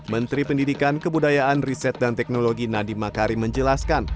menteri pendidikan kebudayaan riset dan teknologi nadiem makari menjelaskan